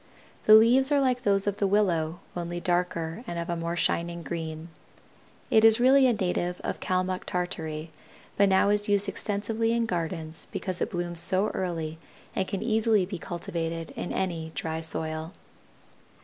The leaves are like those of the willow, only darker and of a more shining green. It is really a native of Calmuck Tartary but now is used extensively in gardens because it blooms so early and can easily be cultivated in any dry soil.